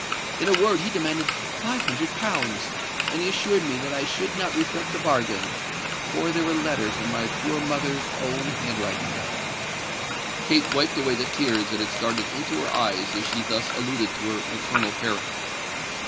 In a word, he demanded five hundred pounds; and he assured me that I should not regret the bargain—for there were letters in my poor mother's own handwriting." Kate wiped away the tears that had started into her eyes as she thus alluded to her maternal parent.